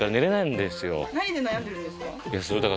何で悩んでるんですか？